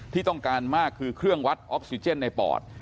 ที่ต้องการมากคือเครื่องวัดออกซิเจนในปอด